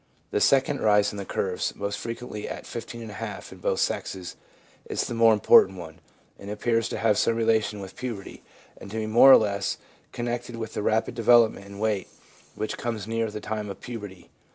The second rise in the curves, most frequently at 1 5^ in both sexes, is the more important one, and appears to have some relation with puberty, and to be more or less con nected with the rapid development in weight which comes near the time of puberty.